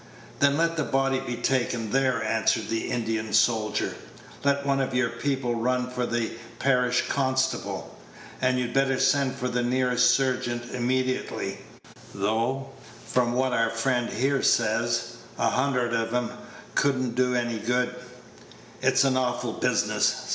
"Then let the body be taken there," answered the Indian soldier; "let one of your people run for the parish constable; and you'd better send for the nearest surgeon immediately, though, from what our friend here says, a hundred of 'em could n't do any good. It's an awful business.